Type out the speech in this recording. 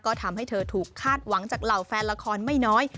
ก็ทำให้เธอถูกคาดหวังจากเหล่าแฟนละครไม่น้อย